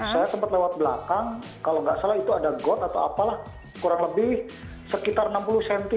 saya sempat lewat belakang kalau nggak salah itu ada got atau apalah kurang lebih sekitar enam puluh cm